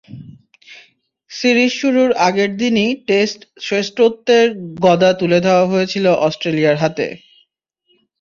Series শুরুর আগের দিনই টেস্ট শ্রেষ্ঠত্বের গদা তুলে দেওয়া হয়েছিল অস্ট্রেলিয়ার হাতে।